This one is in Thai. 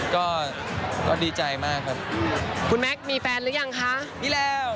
ก็ก็คบมันหน่อยแล้ว